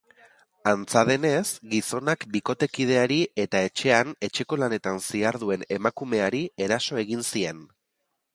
Antza denez, gizonak bikotekideari eta etxean etxeko-lanetan ziharduen emakumeari eraso egin zien.